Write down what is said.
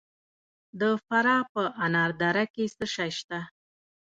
د فراه په انار دره کې څه شی شته؟